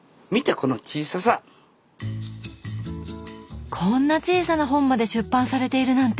こんな小さな本まで出版されているなんて！